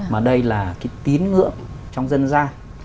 mà đây là cái tín ngưỡng trong dân gian